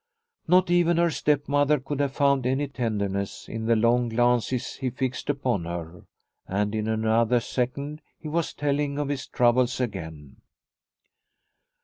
Not even her stepmother could have found any tenderness in the long glances he fixed upon her. And in another second he was telling of his troubles again.